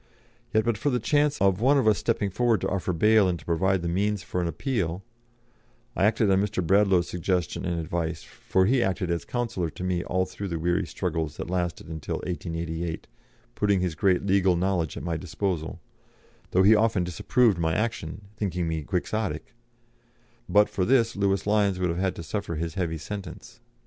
Yet but for the chance of one of us stepping forward to offer bail and to provide the means for an appeal (I acted on Mr. Bradlaugh's suggestion and advice, for he acted as counsellor to me all through the weary struggles that lasted till 1888, putting his great legal knowledge at my disposal, though he often disapproved my action, thinking me Quixotic) but for this, Lewis Lyons would have had to suffer his heavy sentence.